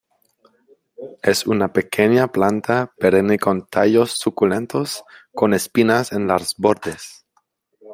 Es una pequeña planta perenne con tallos suculentos con espinas en los bordes.